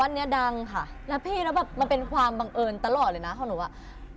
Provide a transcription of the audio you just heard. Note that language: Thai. วันนี้ดังค่ะแล้วพี่มันเป็นความบังเอิญตลอดเลยนะของหนู